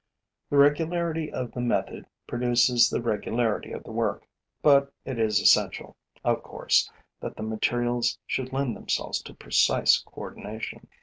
The regularity of the method produces the regularity of the work; but it is essential, of course, that the materials should lend themselves to precise coordination.